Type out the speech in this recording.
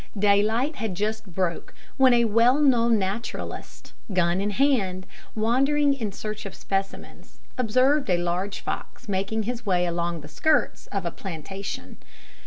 Daylight had just broke, when a well known naturalist, gun in hand, wandering in search of specimens, observed a large fox making his way along the skirts of a plantation.